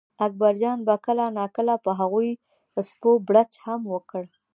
اکبرجان به کله ناکله په هغو سپو بړچ هم وکړ.